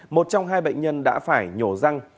một trong hai bệnh nhân đã phải nhổ răng